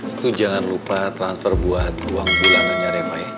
itu jangan lupa transfer buat uang bulanannya rema ya